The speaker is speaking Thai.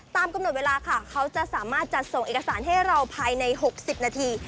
ตามกำหนดเวลาค่ะเขาจะสามารถจัดส่งเอกสารให้เราภายใน๖๐นาที